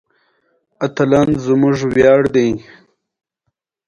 کندهار د افغانستان د چاپیریال ساتنې لپاره مهم دي.